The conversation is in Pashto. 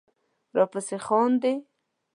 راپسې خاندې